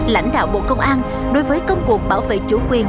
lãnh đạo bộ công an đối với công cuộc bảo vệ chủ quyền